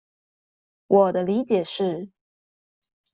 我的理解是